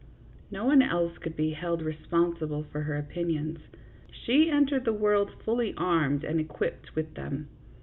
No one else could be held respon sible for her opinions ; she entered the world fully armed and equipped with them.